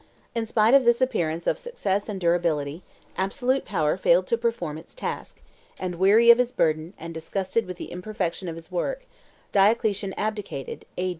In spite of this appearance of success and durability, absolute power failed to perform its task; and, weary of his burden and disgusted with the imperfection of his work, Diocletian abdicated A.